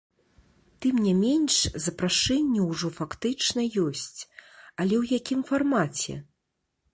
Тым не менш, запрашэнне ўжо фактычна ёсць, але ў якім фармаце?